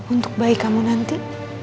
untuk bayi kamu nanti